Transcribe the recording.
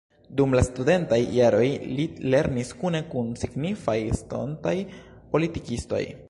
Dum la studentaj jaroj li lernis kune kun signifaj estontaj politikistoj.